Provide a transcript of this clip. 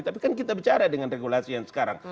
tapi kan kita bicara dengan regulasi yang sekarang